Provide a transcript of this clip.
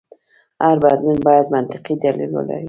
هر بدلون باید منطقي دلیل ولري.